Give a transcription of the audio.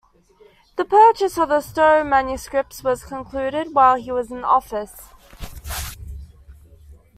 The purchase of the Stowe manuscripts was concluded while he was in office.